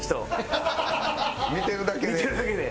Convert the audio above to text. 見てるだけで？